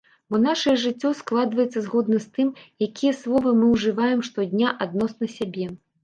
Бо нашае жыццё складваецца згодна з тым, якія словы мы ўжываем штодня адносна сябе.